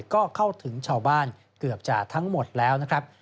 ก็เข้าถึงชาวบ้านเกือบจะทั้งหมดแล้วนะครับ